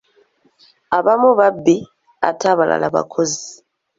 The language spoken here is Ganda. Abamu babbi ate abalala bakozi.